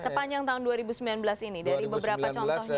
sepanjang tahun dua ribu sembilan belas ini dari beberapa contohnya